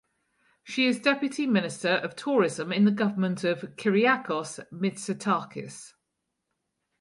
She is Deputy Minister of Tourism in the government of Kyriakos Mitsotakis.